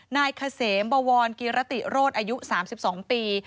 นายเกษมบวรกิรติโรธอายุ๓๒ปี